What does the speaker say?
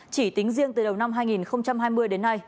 chỉ tính riêng từ đầu năm hai nghìn hai mươi đến nay